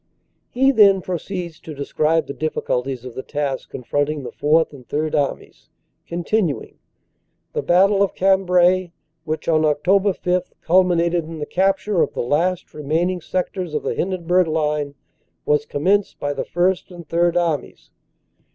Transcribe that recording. He then proceeds to describe the difficulties of the task confronting the Fourth and Third Armies, continuing: :< The Battle of Cambrai, which on Oct. 5 culminated in the capture of the last remaining sectors of the Hindenburg line, was com menced by the First and Third Armies.